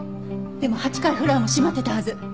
でも８階フロアも閉まっていたはず。